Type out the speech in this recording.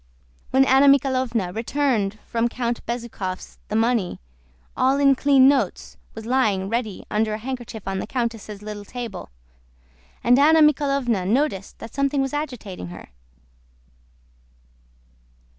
When Anna Mikháylovna returned from Count Bezúkhov's the money, all in clean notes, was lying ready under a handkerchief on the countess' little table, and Anna Mikháylovna noticed that something was agitating her.